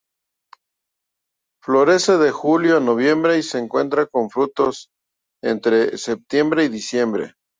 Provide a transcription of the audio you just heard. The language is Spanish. Florece de julio a noviembre y se encuentra con frutos entre septiembre y diciembre.